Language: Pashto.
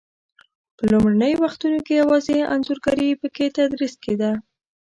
په لومړنیو وختو کې یوازې انځورګري په کې تدریس کېده.